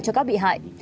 cho các bị hại